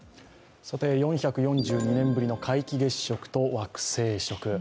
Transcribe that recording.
４４２年ぶりの皆既月食と惑星食。